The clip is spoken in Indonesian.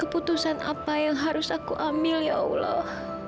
keputusan apa yang harus aku ambil ya allah